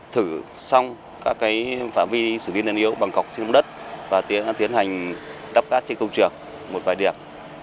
thử xong các phả vi xử lý nền yếu bằng cọc xây dựng đất và tiến hành đắp cát trên công trường một vài điểm